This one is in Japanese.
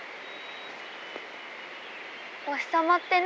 「おひさまってね